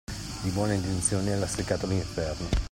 Di buone intenzioni è lastricato l'inferno.